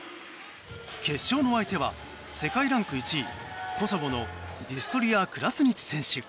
決勝の相手は世界ランク１位コソボのディストリア・クラスニチ選手。